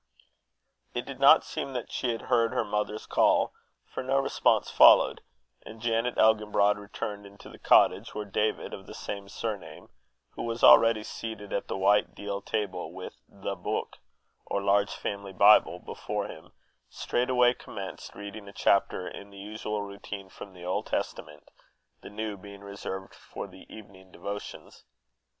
It did not seem that she had heard her mother's call, for no response followed; and Janet Elginbrod returned into the cottage, where David of the same surname, who was already seated at the white deal table with "the beuk," or large family bible before him, straightway commenced reading a chapter in the usual routine from the Old Testament, the New being reserved for the evening devotions.